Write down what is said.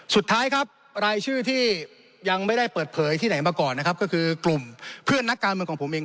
สุดท้ายครับรายชื่อที่ยังไม่ได้เปิดเผยที่ไหนมาก่อนนะครับก็คือกลุ่มเพื่อนนักการเมืองของผมเอง